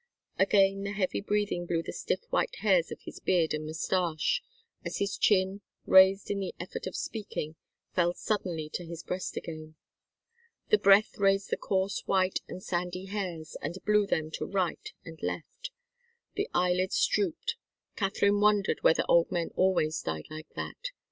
Again the heavy breathing blew the stiff white hairs of his beard and moustache, as his chin, raised in the effort of speaking, fell suddenly to his breast again. The breath raised the coarse white and sandy hairs and blew them to right and left. The eyelids drooped. Katharine wondered whether old men always died like that.